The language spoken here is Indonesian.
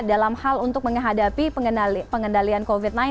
dalam hal untuk menghadapi pengendalian covid sembilan belas